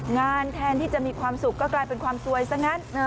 แทนที่จะมีความสุขก็กลายเป็นความสวยซะงั้น